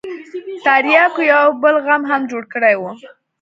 ترياکو يو بل غم هم جوړ کړى و.